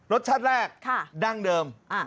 รสชาติแรกดั้งเดิม